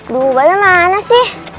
duh bade mana sih